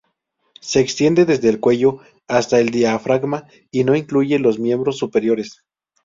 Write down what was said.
Se extiende desde el cuello hasta el diafragma y no incluye los miembros superiores.